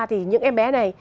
thì những em bé này